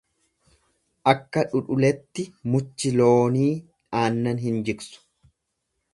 Akka dhudhuletti muchi loonii aannan hin jiigsu.